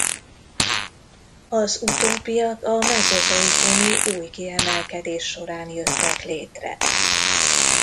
Az utóbbiak a mezozoikumi új kiemelkedés során jöttek létre.